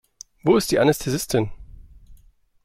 Wo ist die Anästhesistin?